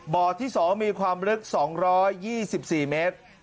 ที่๒มีความลึก๒๒๔เมตร